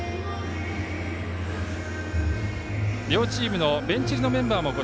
両チームのベンチ入りのメンバーです。